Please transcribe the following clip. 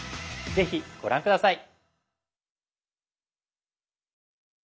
是非ご覧下さい！